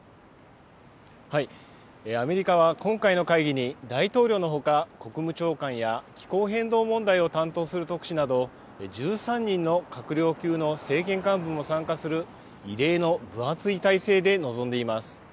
アメリカは今回の会議に、大統領のほか、国務長官や気候変動問題を担当する特使など、１３人の閣僚級の政権幹部も参加する異例の分厚い態勢で臨んでいます。